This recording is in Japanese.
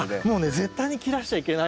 絶対に切らしちゃいけない。